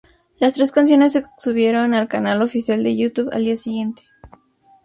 Las tres canciones se subieron al canal oficial de Youtube al día siguiente.